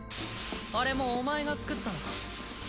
あれもお前が作ったのか？